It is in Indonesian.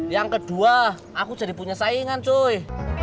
yang kedua aku jadi punya saingan joy